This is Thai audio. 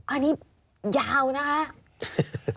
อันนี้ยาวนะคะ